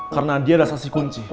karena dia ialah stasi kunci